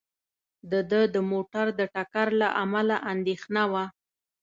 د ده د موټر د ټکر له امله اندېښنه وه.